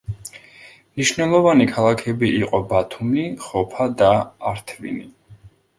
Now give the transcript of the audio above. მნიშვნელოვანი ქალაქები იყო ბათუმი, ხოფა და ართვინი.